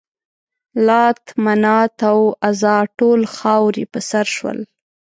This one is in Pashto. لات، منات او عزا ټول خاورې په سر شول.